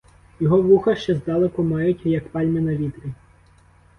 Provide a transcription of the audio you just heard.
Його вуха ще здалеку мають, як пальми на вітрі.